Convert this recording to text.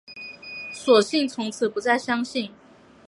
索性从此不再相信